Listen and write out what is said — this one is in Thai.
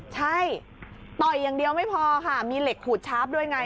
ใช่ตองไปท้ายงเดียวไม่ค่อยมีเหล็กขูดชาร์ปด้วยไง